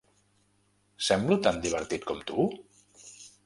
Semblo tan divertit com tu?